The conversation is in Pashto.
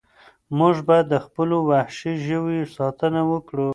موږ باید د خپلو وحشي ژویو ساتنه وکړو.